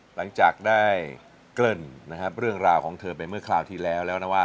หลังจากได้เกริ่นนะครับเรื่องราวของเธอไปเมื่อคราวที่แล้วแล้วนะว่า